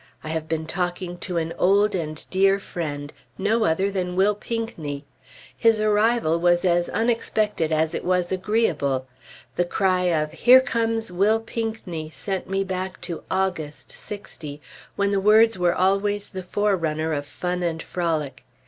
I have been talking to an old and dear friend, no other than Will Pinckney! His arrival was as unexpected as it was agreeable. The cry of "Here comes Will Pinckney" sent me back to August, '60, when the words were always the forerunner of fun and frolic....